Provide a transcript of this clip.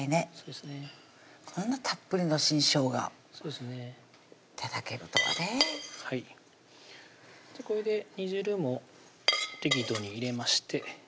こんなたっぷりの新しょうが頂けるとはねはいこれで煮汁も適度に入れましてはい